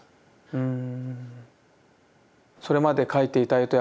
うん。